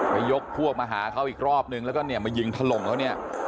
ยกพวกมาหาเขาอีกรอบนึงแล้วก็เนี่ยมายิงถล่มเขาเนี่ย